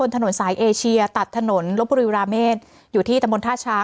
ถนนสายเอเชียตัดถนนลบบุรีราเมษอยู่ที่ตะมนต์ท่าช้า